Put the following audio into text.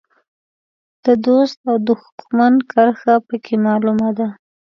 د دوست او دوښمن کرښه په کې معلومه ده.